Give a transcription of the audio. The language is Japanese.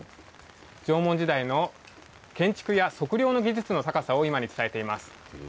縄文時代の建築や測量の技術の高さを今に伝えています。